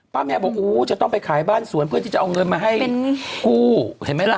ป้าแมวอู้่จะต้องไปขายบ้านส่วนเถอะพี่เราพี่จะเอาเงินมาให้กู้เห็นมั้ยล่ะ